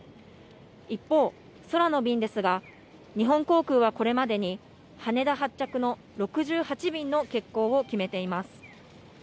一方、空の便ですが、日本航空はこれまでに、羽田発着の６８便の欠航を決めています。